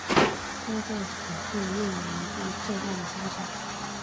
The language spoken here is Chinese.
该报此后又有了较大发展。